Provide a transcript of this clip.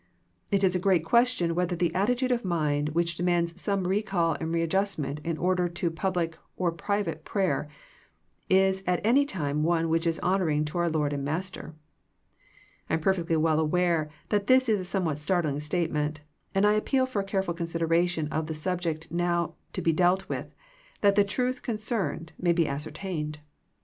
It is a great question whether the attitude of mind which demands some recall and readjustment in order to public or private prayer is at any time one which is honouring to our Lord and Master. I am perfectly well aware that this is a somewhat startling statement, and I appeal for a careful consideration of the subject now to be dealt with that the truth concerned, may be ascertained.